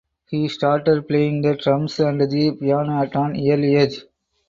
He started playing the drums and the piano at an early age.